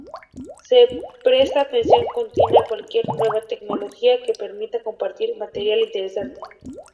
Se presta atención continua a cualquier nueva tecnología que permita compartir material interesante.